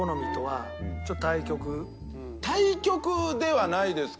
対極ではないですけども。